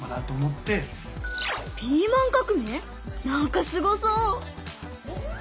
なんかすごそう！